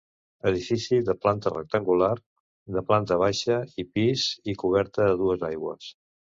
Edifici de planta rectangular, de planta baixa i pis i coberta a dues aigües.